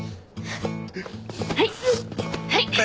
はい！